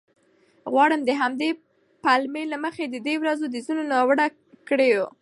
غواړم د همدې پلمې له مخې د دې ورځو د ځینو ناوړه کړیو